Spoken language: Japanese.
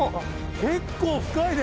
結構深いね！